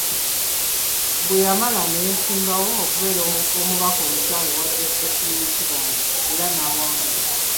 Bwe yamala ne yeesimbawo okubeera omubaka omukyala owa disitulikiti y’e Kibaale era n’awangula.